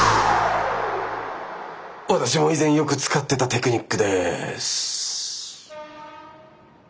私も以前よく使ってたテクニックです。